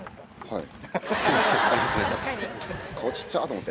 はい。